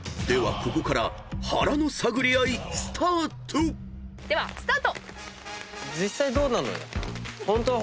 ここから腹の探り合いスタート］ではスタート！